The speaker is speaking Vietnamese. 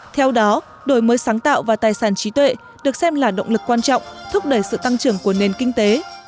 theo đó đổi mới sáng tạo và tài sản trí tuệ được xem là động lực quan trọng thúc đẩy sự tăng trưởng của nền kinh tế